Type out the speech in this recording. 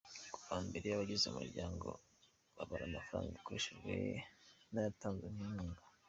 "Ku wa mbere, abagize umuryango babara amafaranga yakoreshejwe n'ayatanzwe nk'inkunga".